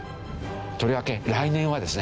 とりわけ来年はですね